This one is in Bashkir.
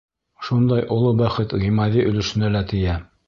Шундай оло бәхет Ғимаҙи өлөшөнә лә тейә.